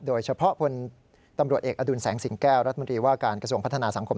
โดยเฉพาะพลตำรวจเอกอดุลแสงสิงแก้วรัฐมนตรีว่าการกระทรวงพัฒนาสังคม